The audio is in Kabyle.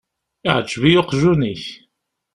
Iεgeb-iyi uqjun-ik.